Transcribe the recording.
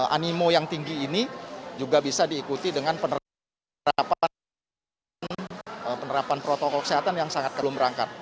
animo yang tinggi ini juga bisa diikuti dengan penerapan penerapan protokol kesehatan yang sangat kelum berangkat